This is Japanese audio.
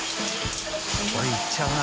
海いっちゃうな。